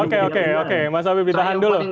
oke oke oke mas habib ditahan dulu